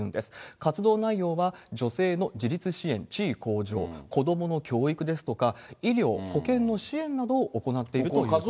活動内容は、女性の自立支援、地位向上、子どもの教育ですとか、医療・保健の支援などを行っているということです。